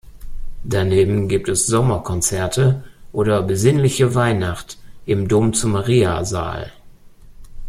Daneben gibt es Sommerkonzerte oder „Besinnlichen Weihnacht“ im Dom zu Maria Saal.